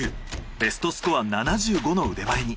ベストスコア７５の腕前に。